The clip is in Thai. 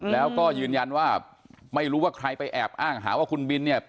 แล้วก็ยืนยันว่าไม่รู้ว่าใครไปแอบอ้างหาว่าคุณบินเนี่ย